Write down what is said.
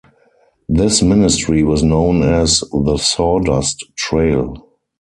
This ministry was known as "The Sawdust Trail".